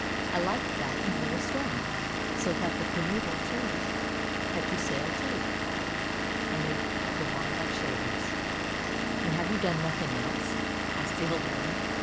I liked that and blew a storm, so that the primeval trees had to sail too, and they were whirled about like shavings." " And you have done nothing else? " asked the old woman.